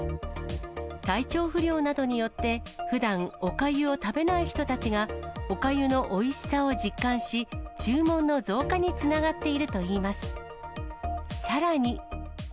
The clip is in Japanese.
体調不良などによって、ふだんおかゆを食べない人たちが、おかゆのおいしさを実感し、注文の増加につながっているといいます。